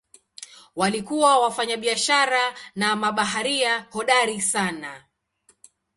Walikuwa wafanyabiashara na mabaharia hodari sana.